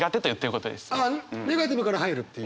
ああネガティブから入るっていう？